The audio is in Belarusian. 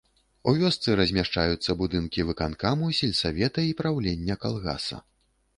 У вёсцы размяшчаюцца будынкі выканкаму сельсавета і праўлення калгаса.